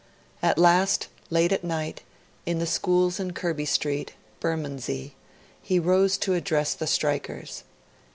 At last, late at night, in the schools in Kirby Street, Bermondsey, he rose to address the strikers.